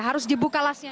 harus dibuka lasnya